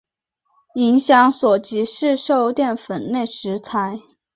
影响所及市售淀粉类食材。